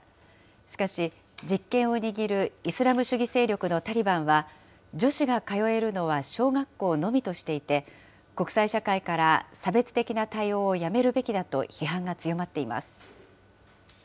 しかし、実権を握るイスラム主義勢力のタリバンは、女子が通えるのは小学校のみとしていて、国際社会から差別的な対応をやめるべきだと批判が強まっています。